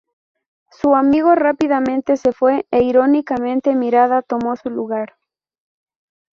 Su amigo rápidamente se fue, e irónicamente Mirada tomó su lugar.